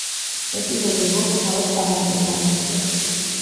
ეპიზოდურ როლს თავად ტარანტინო ასრულებს.